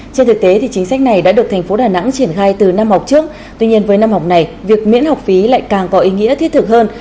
trên thực tế chính sách này đã được thành phố đà nẵng triển khai từ năm học trước tuy nhiên với năm học này việc miễn học phí lại càng có ý nghĩa thiết thực hơn